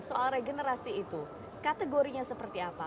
soal regenerasi itu kategorinya seperti apa